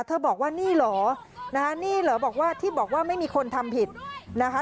บอกว่านี่เหรอนะคะนี่เหรอบอกว่าที่บอกว่าไม่มีคนทำผิดนะคะ